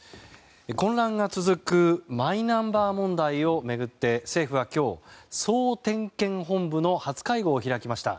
混乱が続くマイナンバー問題を巡って政府は今日、総点検本部の初会合を開きました。